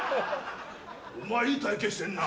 お前いい体形してんな。